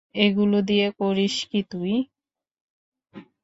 ওগুলো দিয়ে করিস কী তুই?